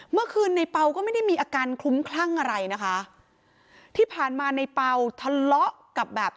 เมื่อคืนในเปล่าก็ไม่ได้มีอาการคลุ้มคลั่งอะไรนะคะที่ผ่านมาในเปล่าทะเลาะกับแบบ